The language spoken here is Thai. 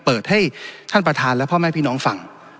เปิดให้ท่านประธานและพ่อแม่พี่น้องฟัง